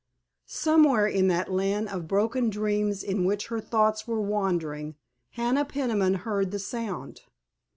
Somewhere in that land of broken dreams in which her thoughts were wandering Hannah Peniman heard the sound.